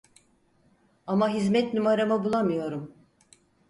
Ama hizmet numaramı bulamıyorum